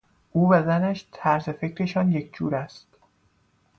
او و زنش طرز فکرشان یکجور است.